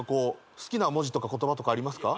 好きな文字とか言葉とかありますか？